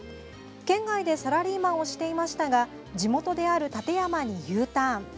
県外でサラリーマンをしていましたが地元である館山にＵターン。